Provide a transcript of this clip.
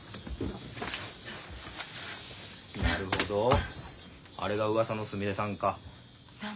なるほどあれがうわさのすみれさんか。